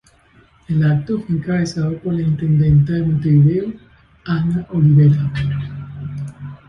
El acto fue encabezado por la intendenta de Montevideo, Ana Olivera.